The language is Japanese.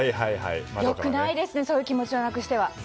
良くないですねそういう気持ちをなくしては。